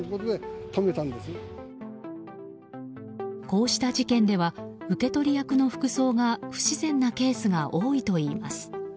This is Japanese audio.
こうした事件では受け取り役の服装が不自然なケースが多いといいます。